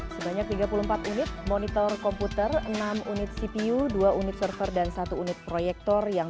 hai banyak tiga puluh empat unit monitor komputer enam unit cpu dua unit server dan satu unit proyektor yang